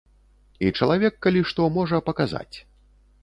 І чалавек, калі што, можа паказаць.